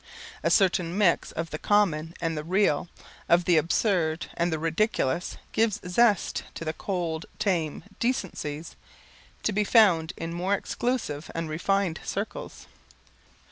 A certain mixture of the common and the real, of the absurd and the ridiculous, gives a zest to the cold, tame decencies, to be found in more exclusive and refined circles.